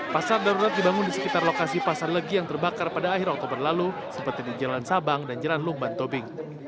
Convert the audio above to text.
pasar darurat dibangun di sekitar lokasi pasar legi yang terbakar pada akhir oktober lalu seperti di jalan sabang dan jalan lumban tobing